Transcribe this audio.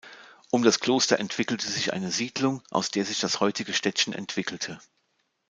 Um das Kloster entwickelte sich eine Siedlung, aus der sich das heutige Städtchen entwickelte.